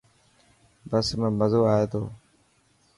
بس ۾ مزو آئي تو.